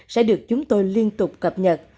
sẽ được chúng tôi liên tục cập nhật